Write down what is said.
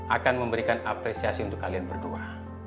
akan memberikan apresiasi untuk kalian berdua